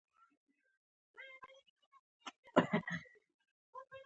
هغه له مرګ څخه ډیر ویریدلی او نږدې شوی و